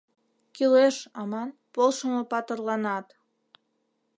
— Кӱлеш, аман, полшымо патырланат.